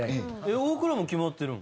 大倉も決まってるん？